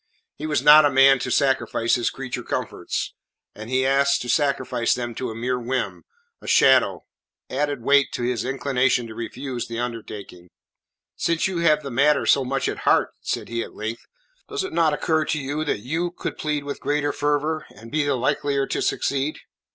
He was not a man to sacrifice his creature comforts, and to be asked to sacrifice them to a mere whim, a shadow, added weight to his inclination to refuse the undertaking. "Since you have the matter so much at heart," said he at length, "does it not occur to you that you could plead with greater fervour, and be the likelier to succeed?"